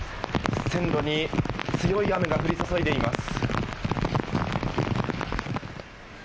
線路に強い雨が降り注いでいます。